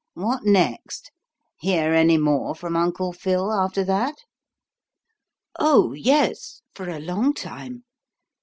What next? Hear any more from Uncle Phil after that?" "Oh, yes for a long time.